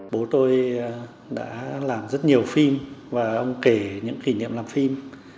bố tôi đã làm rất nhiều phim và ông kể những kỷ niệm làm phim